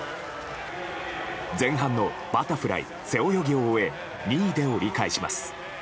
前半のバタフライ背泳ぎを終え２位で折り返します。